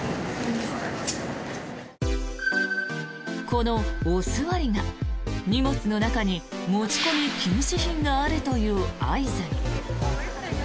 このおすわりが荷物の中に持ち込み禁止品があるという合図。